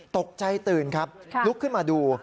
ตกใจตื่นครับลุกขึ้นมาดู